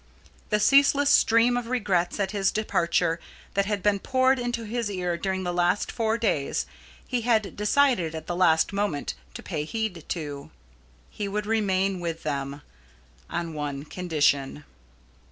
The ceaseless stream of regrets at his departure that had been poured into his ear during the last four days he had decided at the last moment to pay heed to. He would remain with them on one condition.